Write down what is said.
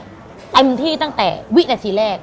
เต็มที่ตั้งแต่วินาทีแรก